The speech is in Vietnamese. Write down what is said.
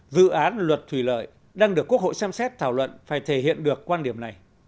dự án luật thủy lợi đang được quốc hội xem xét thảo luận phải thể hiện được quan điểm này